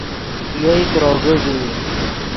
یئے تروگے ڤئی